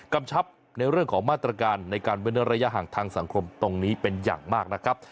กำชับในเรื่องของมาตรการในการเว้นระยะห่างทางสังคมตรงนี้เป็นอย่างมากนะครับ